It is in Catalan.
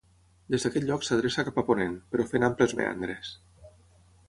Des d'aquest lloc s'adreça cap a ponent, però fent amples meandres.